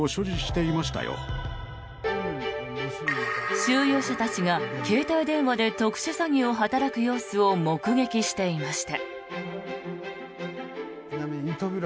収容者たちが携帯電話で特殊詐欺を働く様子を目撃していました。